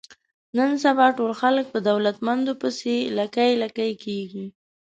نن سبا ټول خلک په دولتمندو پسې لکۍ لکۍ کېږي.